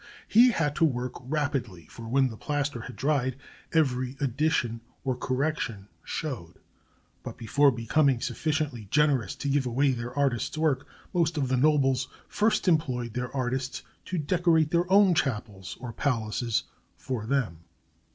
He had to work rapidly; for when the plaster had dried every addition or correction showed. But before becoming sufficiently generous to give away their artist's work most of the nobles first employed their artists to decorate their own chapels or palaces for them.